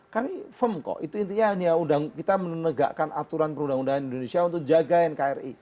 kami firm kok itu intinya hanya kita menegakkan aturan perundang undangan indonesia untuk jaga nkri